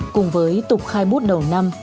cùng với tục khai bút đầu năm